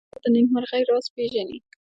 استاد د نېکمرغۍ راز پېژني.